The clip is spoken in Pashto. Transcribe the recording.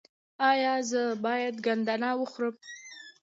ایا زه باید ګندنه وخورم؟